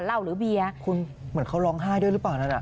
หรือเบียร์คุณเหมือนเขาร้องไห้ด้วยหรือเปล่านั้นอ่ะ